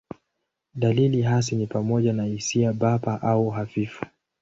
Dalili hasi ni pamoja na hisia bapa au hafifu.